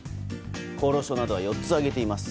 厚労省などは４つ挙げています。